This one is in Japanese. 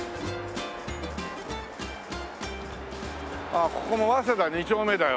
ああここも早稲田２丁目だよ。